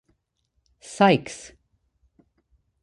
Sykes.